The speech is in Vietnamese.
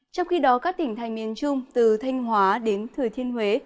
trong khi đó các tỉnh thái miên trung từ thanh hóa đến thừa thiên huế